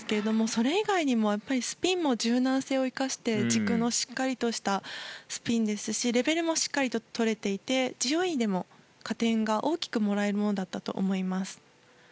それ以外にもスピンも柔軟性を生かして軸のしっかりとしたスピンですしレベルもしっかりととれていてＧＯＥでも加点が大きくもらえるものだったと思います。